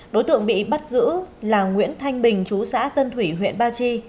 đối tượng bị bắt giữ là nguyễn thanh bình chú xã tân thủy huyện ba chi